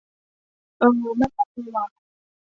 เออ ไม่ว่างเลยว่ะ